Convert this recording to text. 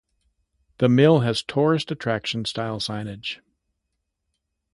The mill has tourist attraction style signage.